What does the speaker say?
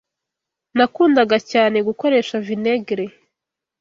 Nakundaga cyane gukoresha vinegere.